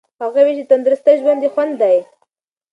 هغه وویل چې تندرستي د ژوند خوند دی.